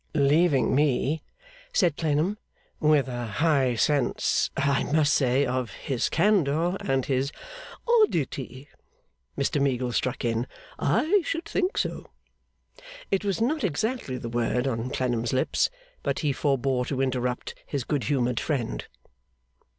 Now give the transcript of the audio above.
'Leaving me,' said Clennam, 'with a high sense, I must say, of his candour and his ' 'Oddity,' Mr Meagles struck in. 'I should think so!' It was not exactly the word on Clennam's lips, but he forbore to interrupt his good humoured friend.